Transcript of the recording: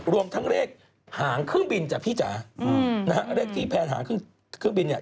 รวมทั้งเลขหางเครื่องบินจ้ะพี่จ๋านะฮะเลขที่แผนหางเครื่องบินเนี่ย